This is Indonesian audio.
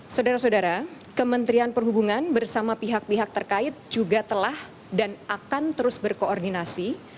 saudara saudara kementerian perhubungan bersama pihak pihak terkait juga telah dan akan terus berkoordinasi